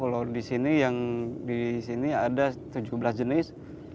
kalau di sini yang di sini ada tujuh belas jenis